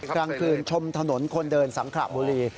กลางคืนชมถนนคนเดินสังขระบุรี